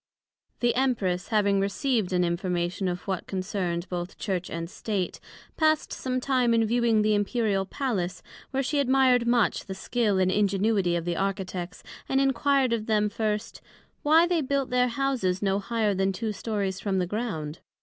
The Empress having received an information of what concerned both Church and State, passed some time in viewing the Imperial Palace, where she admired much the skil and ingenuity of the Architects, and enquired of them, first, Why they built their Houses no higher then two stories from the Ground?